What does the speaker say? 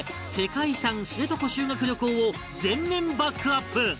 世界遺産知床修学旅行を全面バックアップ